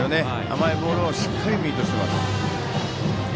甘いボールをしっかりミートしています。